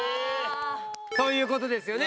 という事ですよね